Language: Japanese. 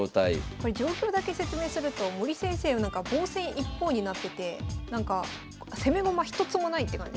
これ状況だけ説明すると森先生は防戦一方になってて攻め駒一つもないって感じですよね。